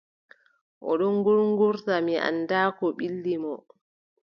O ɗon ŋuurŋuurta, mi anndaa Ko ɓilli mo.